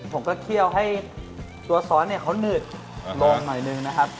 เคี่ยวให้ตัวซอสเนี่ยเขาหนืดลงหน่อยหนึ่งนะครับ